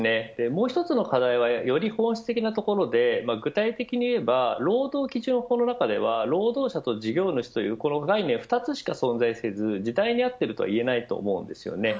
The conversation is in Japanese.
もう一つの課題はより本質的なところで具体的に言えば労働基準法の中では労働者と事業主という概念２つしか存在せず時代に合っているとはいえないと思います。